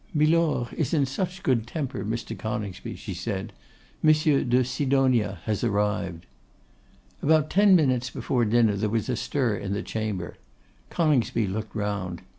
'Milor is in such good temper, Mr. Coningsby,' she said; 'Monsieur de Sidonia has arrived.' About ten minutes before dinner there was a stir in the chamber. Coningsby looked round.